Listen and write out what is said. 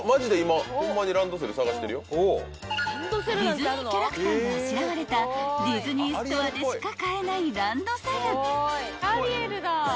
［ディズニーキャラクターがあしらわれたディズニーストアでしか買えない］